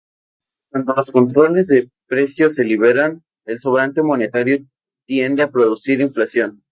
Cuando los controles de precio se liberan, el sobrante monetario tiende a producir inflación.